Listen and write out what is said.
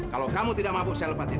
kalau kamu tidak mampu saya lepasin